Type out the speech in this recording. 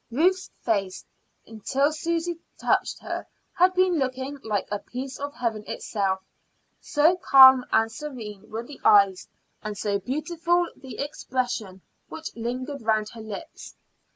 Ruth's face, until Susy touched her, had been looking like a piece of heaven itself, so calm and serene were the eyes, and so beautiful the expression which lingered round her lips.